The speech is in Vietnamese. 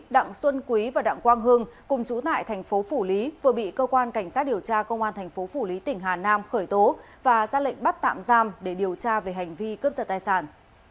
đặng xuân quý và đặng quang hưng cùng chú tại thành phố phủ lý vừa bị cơ quan cảnh sát điều tra công an thành phố phủ lý tỉnh hà nam khởi tố và ra lệnh bắt tạm giam để điều tra về hành vi cướp giật tài sản